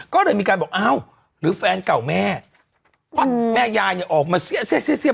ก็เลยมีการบอกอ้าวหรือแฟนเก่าแม่ว่าแม่ยายเนี่ยออกมาเสี้ย